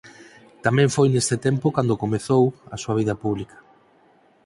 Tamén foi neste tempo cando comezou a súa vida pública.